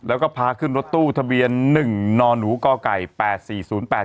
แล้วก็พาขึ้นรถตู้ทะเบียนหนึ่งนอหนูก่อไก่แปดสี่ศูนย์แปด